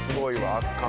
圧巻。